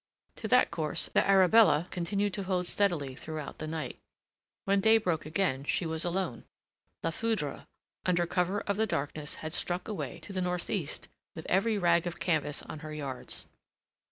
To that course the Arabella continued to hold steadily throughout the night. When day broke again, she was alone. La Foudre under cover of the darkness had struck away to The northeast with every rag of canvas on her yards.